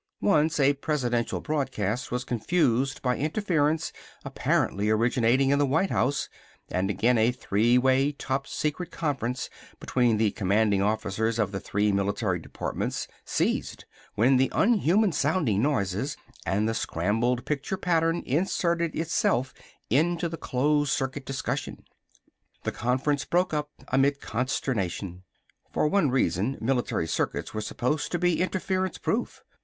Once a Presidential broadcast was confused by interference apparently originating in the White House, and again a three way top secret conference between the commanding officers of three military departments ceased when the unhuman sounding noises and the scrambled picture pattern inserted itself into the closed circuit discussion. The conference broke up amid consternation. For one reason, military circuits were supposed to be interference proof.